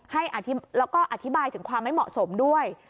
แล้วก็อธิบายถึงความไม่เหมาะสมด้วย